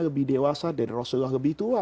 lebih dewasa dari rasulullah lebih tua